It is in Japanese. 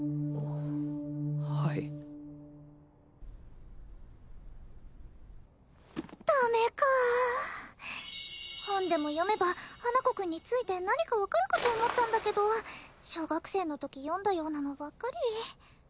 はいダメか本でも読めば花子くんについて何か分かるかと思ったんだけど小学生のとき読んだようなのばっかり